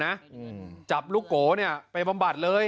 อืมจับลูกโกเนี่ยไปบำบัดเลย